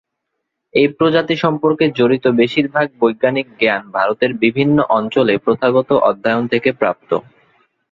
এই প্রজাতি সম্পর্কে জড়িত বেশিরভাগ বৈজ্ঞানিক জ্ঞান ভারতের বিভিন্ন অঞ্চলে প্রথাগত অধ্যয়ন থেকে প্রাপ্ত।